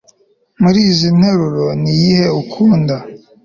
muri izi nteruro niyihe ukunda